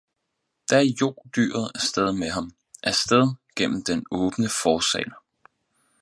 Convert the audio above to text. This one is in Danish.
Da jog dyret af sted med ham, af sted gennem den åbne forsal